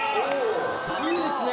いいですね！